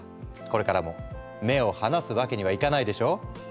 これからも目を離すわけにはいかないでしょ？